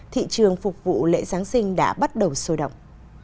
thị trường phục vụ lễ giáng sinh đã bắt đầu sôi động